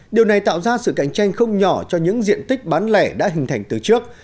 điều này tạo ra sự cạnh tranh không nhỏ cho những diện tích bán lẻ đã hình thành từ trước